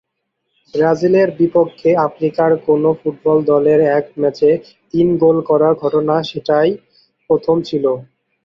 ব্রাজিলের বিপক্ষে আফ্রিকার কোনো ফুটবল দলের এক ম্যাচে তিন গোল করার ঘটনা সেটিই প্রথম ছিল।